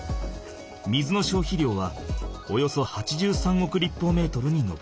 水の消費量はおよそ８３億立方メートルに上る。